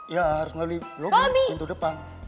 ya harus melalui logo pintu depan